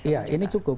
ya ini cukup